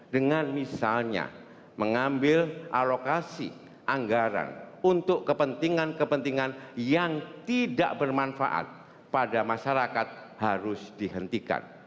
dengan misalnya mengambil alokasi anggaran untuk kepentingan kepentingan yang tidak bermanfaat pada masyarakat harus dihentikan